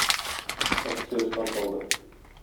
Акция старт алды